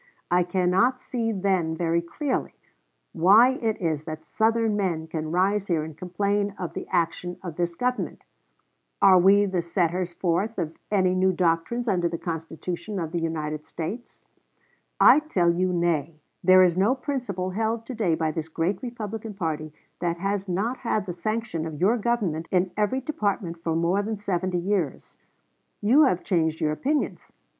I cannot see then very clearly why it is that Southern men can rise here and complain of the action of this Government.... Are we the setters forth of any new doctrines under the Constitution of the United States? I tell you nay. There is no principle held to day by this great Republican party that has not had the sanction of your Government in every department for more than seventy years. You have changed your opinions.